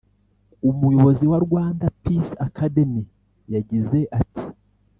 umuyobozi wa Rwanda Peace Academy yagize ati